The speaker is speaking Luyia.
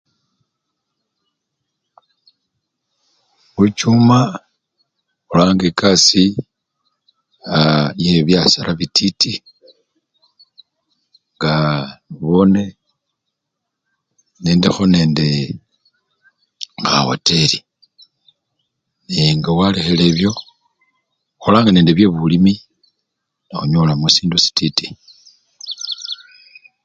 Khuchuma ikholanga ekasii aa! iyebyasara bititi ngaa nobone nendikho nende khawoteli nenga walekhile ebyo, ekholangakho nende byebulimi nenyolakho sindu sititi.